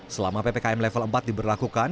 selama ppkm level empat diberlakukan